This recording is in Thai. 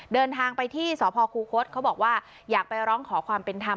เดินทางไปที่สพคูคศเขาบอกว่าอยากไปร้องขอความเป็นธรรม